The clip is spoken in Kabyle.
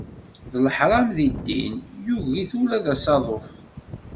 D leḥram di ddin, yugi-t ula d asaḍuf.